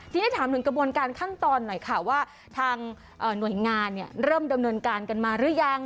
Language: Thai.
ทีนี้ถามถึงกระบวนการขั้นตอนหน่อยค่ะว่าทางหน่วยงานเริ่มดำเนินการกันมาหรือยัง